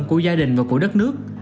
của gia đình và của đất nước